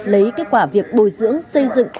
lấy kết quả việc bồi dưỡng xây dựng